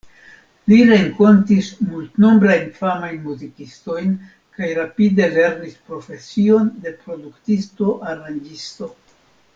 Li renkontis multnombrajn famajn muzikistojn kaj rapide lernis profesion de produktisto, aranĝisto.